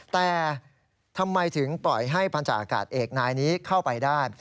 แต่ทำไมถึงปล่อยให้พันธาอากาศเอกนายนี้เข้าไปได้